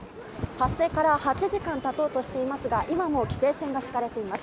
発生から８時間経とうとしていますが今も規制線が敷かれています。